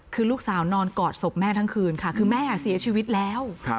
คือลูกสาวนอนกอดศพแม่ทั้งคืนค่ะคือแม่เสียชีวิตแล้ว